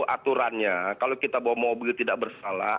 aturannya kalau kita bawa mobil tidak bersalah